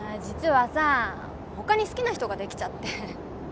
実はさ他に好きな人ができちゃって。